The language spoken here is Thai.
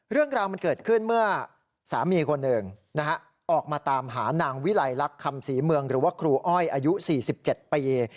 เรื่องราวมันเกิดขึ้นเมื่อสามีคนหนึ่งออกมาตามหานางวิลัยลักษณ์คำศรีเมืองหรือว่าครูอ้อยอายุ๔๗ปี